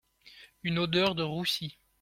Une odeur de roussi.